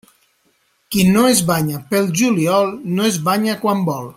Qui no es banya pel juliol no es banya quan vol.